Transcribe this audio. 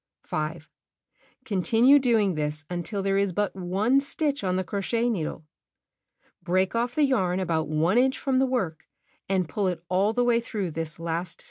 5. Continue doing this until there is but one stitch on the crochet needle. Break off the yarn about 1 inch from the work, and pull it all the way through this last stitch.